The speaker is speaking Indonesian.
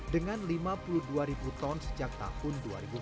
dengan lima puluh dua ribu ton sejak tahun dua ribu empat belas